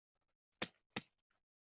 大分县大分市出身。